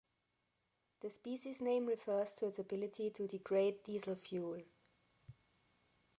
The species name refers to its ability to degrade diesel fuel.